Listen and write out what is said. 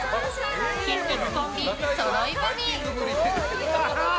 筋肉コンビそろい踏み。